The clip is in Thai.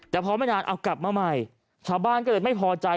แต่พอไม่นานเอากลับมาใหม่ชาวบ้านก็เลยไม่พอใจ